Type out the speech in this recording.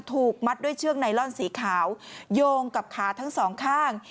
ถูกมัดด้วยเชือกไนลอนสีขาวโยงกับขาทั้งสองข้าง